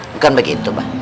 bukan begitu pak